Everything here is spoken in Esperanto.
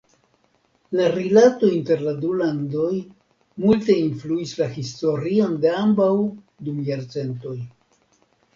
La rilato inter la du landoj multe influis la historion de ambaŭ dum jarcentoj.